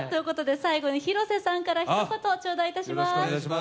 最後に広瀬さんから一言ちょうだいします。